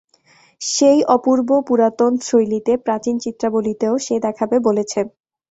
সেই অপূর্ব পুরাতন শৈলীতে প্রাচীন চিত্রাবলীতে ও সে দেখাবে বলেছে।